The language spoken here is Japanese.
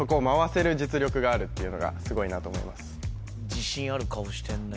・自信ある顔してんね